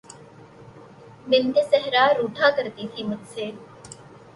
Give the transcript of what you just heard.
بنت صحرا روٹھا کرتی تھی مجھ سے